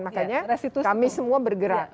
makanya kami semua bergerak